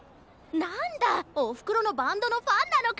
なんだおふくろのバンドのファンなのか。